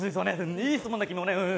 いい質問だ、君もね。